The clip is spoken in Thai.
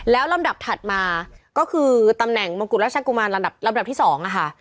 แล้วลำดับถัดมาก็คือตำแหน่งมงกุฎราชกุมารระดับลำดับที่๒ค่ะ